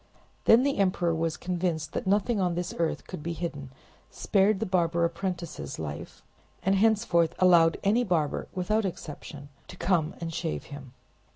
Then the emperor was convinced that nothing on this earth could be hidden, spared the barber apprentices life, and henceforth allowed any barber, without exception, to come and shave him.